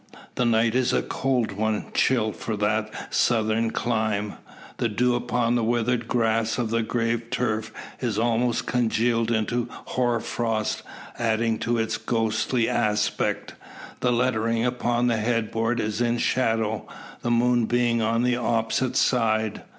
The night is a cold one chill for that Southern clime. The dew upon the withered grass of the grave turf is almost congealed into hoar frost, adding to its ghostly aspect. The lettering upon the head board is in shadow, the moon being on the opposite side.